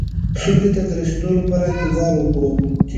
سولې ته د رسېدو لپاره انتظار وکړو.